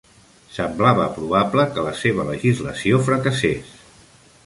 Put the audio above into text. Semblava probable que la seva legislació fracassés.